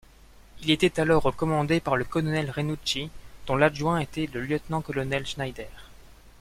Il était alors commandé par le colonel Renucci dont l'adjoint était le lieutenant-colonel Schneider.